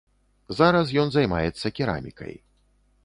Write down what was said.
Зараз ён займаецца керамікай.